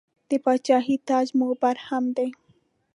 د پاچاهۍ تاج مو برهم دی.